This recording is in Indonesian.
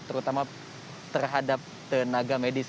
terutama terhadap tenaga medis